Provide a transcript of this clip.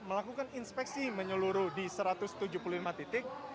melakukan inspeksi menyeluruh di satu ratus tujuh puluh lima titik